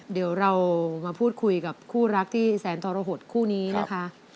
เดี๋ยวเรามาพูดคุยกับคู่รักที่แสนทรหดคู่นี้นะคะ